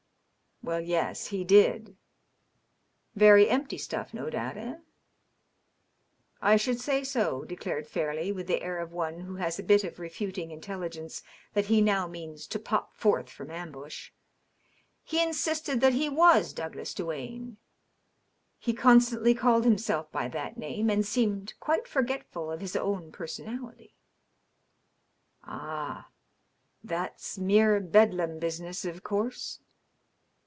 "Well, yes, he did." " Very empty stujff, no doubt ; eh ?" 544 DOUGLAS DUANE. " I should say so/' declared Fairleigh, with the air of one who has a bit of refuting intelligence that he now means to pop forth from ambush. " He insisted that he was Douglas Duane. He constantly caUed himself by that name, and seemed quite forgetfiil of his own personality/' ^^ Ah !.. that's mere !bedlam iMisiness, of course."